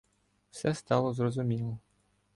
Все стало зрозуміло.